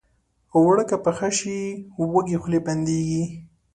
اوړه که پاخه شي، وږې خولې بندېږي